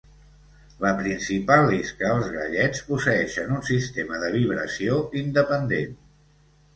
La principal és que els gallets posseeixen un sistema de vibració independent.